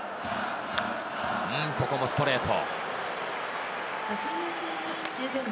ここもストレート。